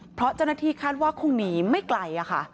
เพราะเจ้าหน้าที่คาดว่าคงหนีไม่ไกลค่ะ